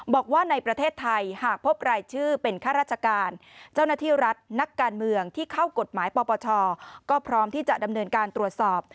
บอกว่าในประเทศไทยหากพบรายชื่อเป็นข้าราชการเจ้าหน้าที่รัฐนักการเมืองที่เข้ากฎหมายปปชก็พร้อมที่จะดำเนินการตรวจสอบ